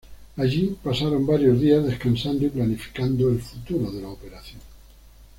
Allí, pasaron varios días descansando y planificando el futuro de la operación.